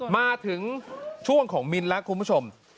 มาถึงช่วงของมิ้นแล้วคุณผู้ชม